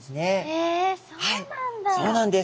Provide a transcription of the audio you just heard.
へえそうなんだ。